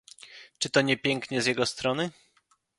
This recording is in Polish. "Czy to nie pięknie z jego strony?"